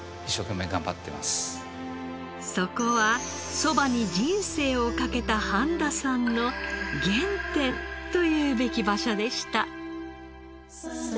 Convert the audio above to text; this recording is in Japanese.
そこはそばに人生をかけた半田さんの「原点」というべき場所でした。